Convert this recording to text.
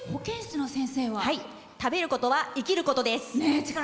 食べることは生きることです。